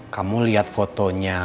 kamu lihat fotonya